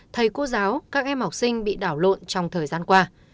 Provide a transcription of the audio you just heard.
thầy cô giáo các em học sinh bị đảo lộn trong thời gian qua